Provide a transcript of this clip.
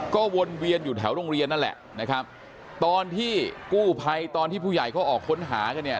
ก็วนเวียนอยู่แถวโรงเรียนนั่นแหละนะครับตอนที่กู้ภัยตอนที่ผู้ใหญ่เขาออกค้นหากันเนี่ย